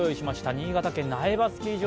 新潟県・苗場スキー場。